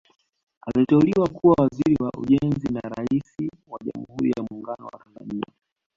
Aliteuliwa kuwa Waziri wa Ujenzi na Rais wa Jamhuri ya Muungano wa Tanzania